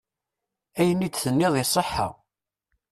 Ayen i d-tenniḍ iṣeḥḥa.